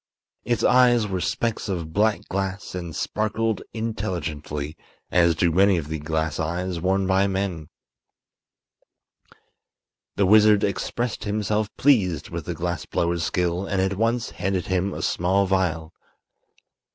Its eyes were specks of black glass and sparkled intelligently, as do many of the glass eyes worn by men. The wizard expressed himself pleased with the glass blower's skill and at once handed him a small vial.